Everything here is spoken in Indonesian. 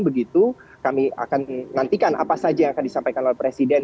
begitu kami akan menantikan apa saja yang akan disampaikan oleh presiden